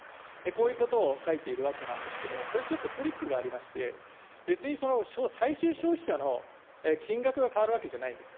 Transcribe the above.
こういうことを書いているわけなんですけど、これはちょっとトリックがありまして、別に、最終消費者の金額が変わるわけじゃないんです。